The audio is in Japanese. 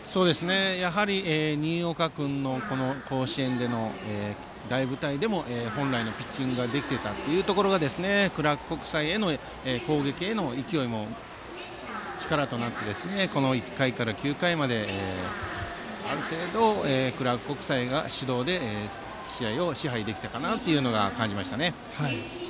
やはり新岡君の甲子園での大舞台でも本来のピッチングができていたところがクラーク国際の攻撃への勢いの力となって１回から９回まである程度、クラーク国際が主導で試合を支配できたと感じました。